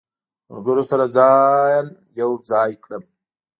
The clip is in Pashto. ملګرو سره ځان یو ځای کړم.